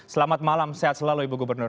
selamat malam sehat selalu ibu gubernur